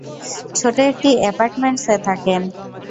ছোট একটি এপার্টমেন্টসে থাকেন।